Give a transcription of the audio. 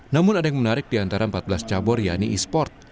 namun ada yang menarik di antara empat belas cabur yaitu e sport